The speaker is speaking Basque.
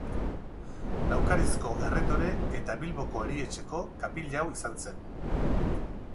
Laukarizko erretore eta Bilboko erietxeko kapilau izan zen.